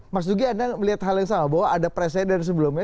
mas dugi anda melihat hal yang sama bahwa ada presiden sebelumnya